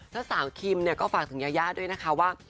เจ้าสาวคิมเนี่ยก็ฝากถึงยานะคะว่า